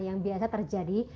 yang biasa terjadi